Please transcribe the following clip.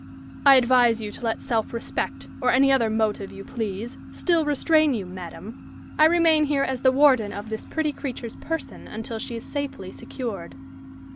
"I advise you to let self respect, or any other motive you please, still restrain you, madam. I remain here as the warden of this pretty creature's person, until she is safely secured."